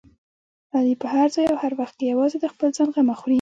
علي په هر ځای او هر وخت کې یوازې د خپل ځان غمه خوري.